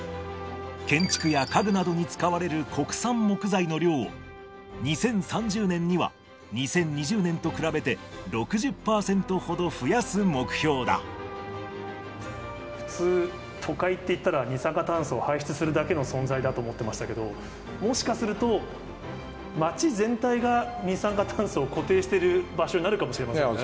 建築や家具などに使われる国産木材の量を、２０３０年には、２０２０年と比べて、普通、都会っていったら、二酸化炭素を排出するだけの存在だと思ってましたけど、もしかすると、街全体が二酸化炭素を固定してる場所になるかもしれませんね。